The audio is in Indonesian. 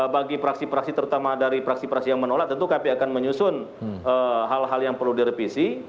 bagi praksi praksi terutama dari praksi praksi yang menolak tentu kami akan menyusun hal hal yang perlu direvisi